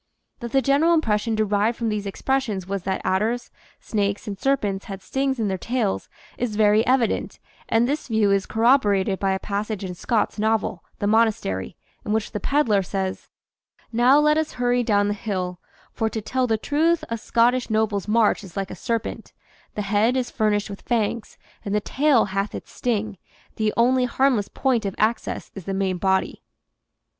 That the general impression derived from these expressions was that adders, snakes, and serpents had stings in their tails, is very evident, and this view is corroborated by a passage in Scott's novel "The Monastery" 1 in which the peddler says: "Now let us hurry down the hill; for to tell the truth a Scottish noble's march is like a serpent the head is furnished with fangs, and the tail hath its sting; the only harmless point of access is the main body.